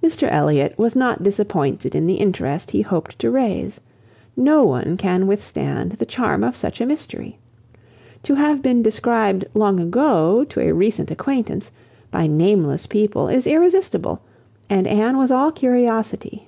Mr Elliot was not disappointed in the interest he hoped to raise. No one can withstand the charm of such a mystery. To have been described long ago to a recent acquaintance, by nameless people, is irresistible; and Anne was all curiosity.